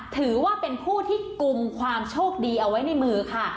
ถือว่าเป็นผู้ที่กลุ่มความโชคดีเอาไว้ในมือค่ะ